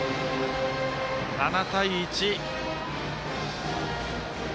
７対１。